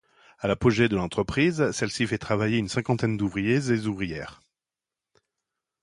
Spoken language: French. À l'apogée de l'entreprise, celle-ci fait travailler une cinquantaine d'ouvriers et ouvrières.